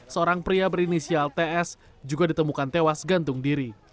seorang pria berinisial ts juga ditemukan tewas gantung diri